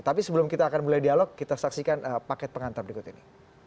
tapi sebelum kita akan mulai dialog kita saksikan paket pengantar berikut ini